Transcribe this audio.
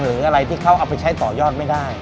หรืออะไรที่เขาเอาไปใช้ต่อยอดไม่ได้